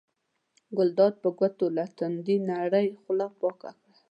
ګلداد په ګوتو له تندي نرۍ خوله پاکه کړه.